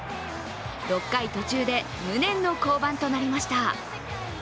６回途中で無念の降板となりました。